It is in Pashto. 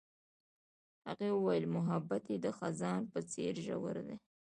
هغې وویل محبت یې د خزان په څېر ژور دی.